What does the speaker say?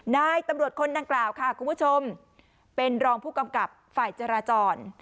นายตำรวจคนดังกล่าวค่ะคุณผู้ชมเป็นรองผู้กำกับฝ่ายจราจร